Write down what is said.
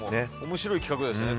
面白い企画ですね。